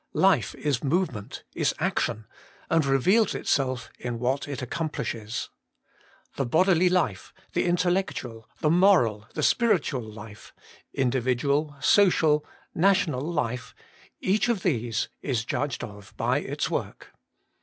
Life is movement, is action, and reveals itself in what it accomplishes. The bodily life, the intellectual, the moral, the spiritual Hfe — individual, social, national life — each of these is judged of by its work.